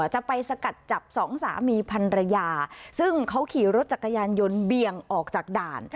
จะไปสกัดจับสองสามีพันรยาซึ่งเขาขี่รถจักรยานยนต์เบี่ยงออกจากด่าน